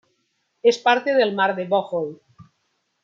Es parte del Mar de Bohol.